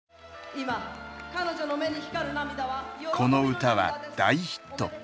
この歌は大ヒット。